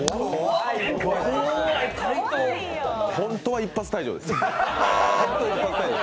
ホントは一発退場です。